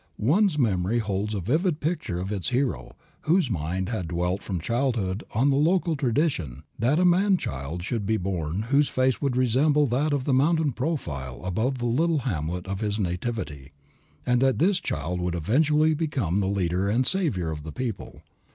One's memory holds a vivid picture of its hero, whose mind had dwelt from childhood on the local tradition that a man child should be born whose face would resemble that of the mountain profile above the little hamlet of his nativity; and that this child would eventually become the leader and savior of the people.